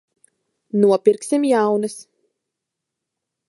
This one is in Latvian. Nopirksim jaunas.